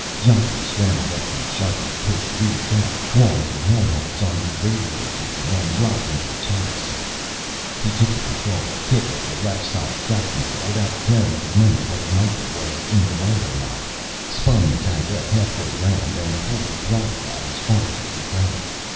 Geoffrey scrambled up the sharply pitched rear deck, clawing for handholds on the radiator tubing, and dropped into the turret seat. He took the controls, kicked at the left side track control without caring, for the moment, whether Myka was in the way or not, spun the tankette halfway round, and pulled the throttle out as far as it would go.